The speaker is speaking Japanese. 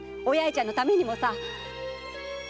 お八重ちゃんのためにもさ。